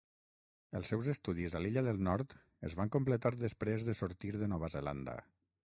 Els seus estudis a l'illa del Nord es van completar després de sortir de Nova Zelanda.